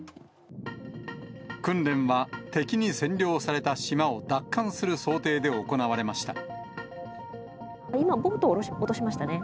訓練は敵に占領された島を奪還する想定で行われました。